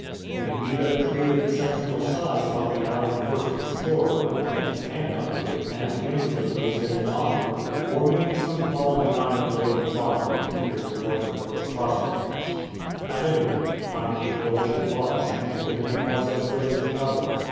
It may be that a tree of exceptional size caught the eye of the first explorer, that he camped under it, and named the place in its honor; or, maybe, some fallen giant lay in the bottom and hindered the work of the first prospectors. At any rate, Pine Tree Gulch it was, and the name was as good as any other.